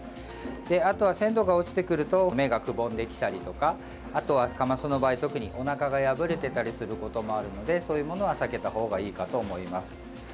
あとは、鮮度が落ちてくると目がくぼんできたりとかカマスの場合、特におなかが破れていたりすることもあるのでそういうものは避けた方がいいかと思います。